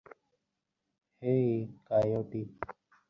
হেই, coyote.